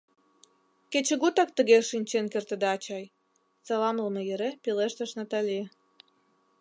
— Кечыгутак тыге шинчен кертыда чай? — саламлыме йӧре пелештыш Натали.